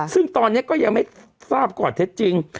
ซึ่งตอนนี้ก็ยังไม่ทราบข้อเท็จจริง